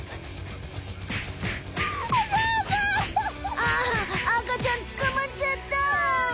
ああ赤ちゃん捕まっちゃった！